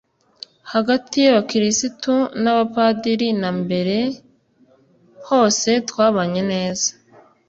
hagati y’abakirisitu n’abapadiri, na mbere hose twabanye neza,